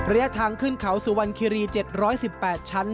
ระยะทางขึ้นเขาสุวรรณคิรี๗๑๘ชั้น